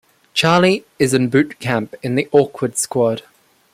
Charlie is in boot camp in the awkward squad.